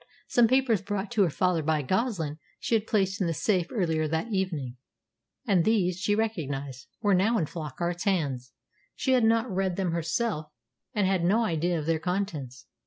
Some papers brought to her father by Goslin she had placed in the safe earlier that evening, and these, she recognised, were now in Flockart's hands. She had not read them herself, and had no idea of their contents.